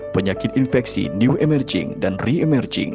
penyakit infeksi new emerging dan re emerging